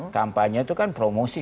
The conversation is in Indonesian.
kampanye itu kan promosi